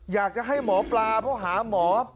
อยากจะให้หมอปลาเพราะหาหมอ